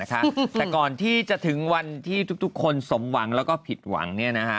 แต่ก่อนที่จะถึงวันที่ทุกคนสมหวังแล้วก็ผิดหวัง